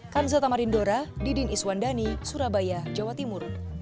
kan zatamarindora didin iswandani surabaya jawa timur